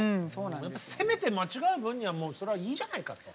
攻めて間違える分にはそれはいいじゃないかと。